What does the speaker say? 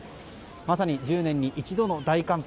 まさに１０年に一度の大寒波。